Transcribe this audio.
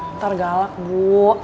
ntar galak bu